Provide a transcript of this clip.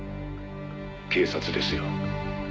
「警察ですよ」